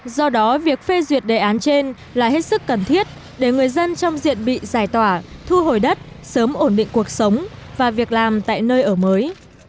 do đó việc phê duyệt đề án trên là hết sức cần thiết để người dân trong diện bị giải tỏa thu hồi đất sớm ổn định cuộc sống và việc làm tại nơi ở mới